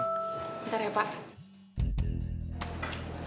bentar ya pak